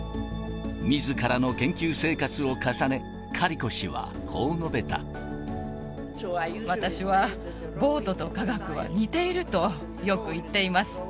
みずからの研究生活を重ね、私は、ボートと科学は似ているとよく言っています。